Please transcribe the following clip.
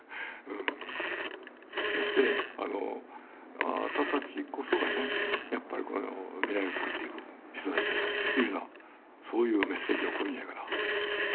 そしてあなたたちこそがね未来をつくっていく人たちだというふうなそういうメッセージを送るんじゃないかな。